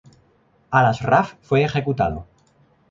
Al-Ashraf fue ejecutado.